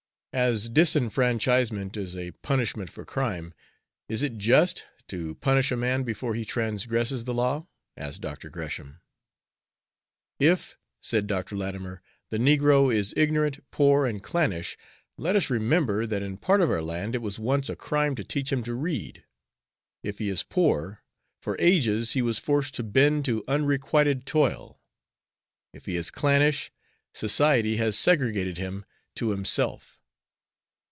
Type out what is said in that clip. "As disfranchisement is a punishment for crime, is it just to punish a man before he transgresses the law?" asked Dr. Gresham. "If," said Dr. Latimer, "the negro is ignorant, poor, and clannish, let us remember that in part of our land it was once a crime to teach him to read. If he is poor, for ages he was forced to bend to unrequited toil. If he is clannish, society has segregated him to himself."